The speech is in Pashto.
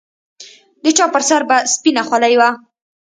د چا پر سر به سپينه خولۍ وه.